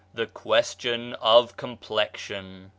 THE QUESTION OF COMPLEXION.